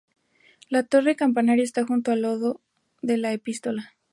La torre-campanario está junto al lado de la epístola.